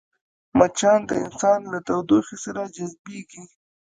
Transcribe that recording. مچان د انسان له تودوخې سره جذبېږي